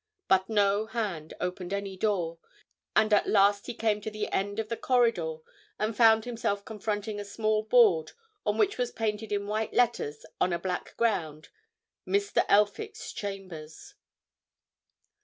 But no hand opened any door, and at last he came to the end of the corridor and found himself confronting a small board on which was painted in white letters on a black ground, Mr. Elphick's Chambers.